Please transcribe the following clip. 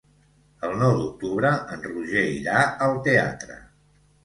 El nou d'octubre en Roger irà al teatre.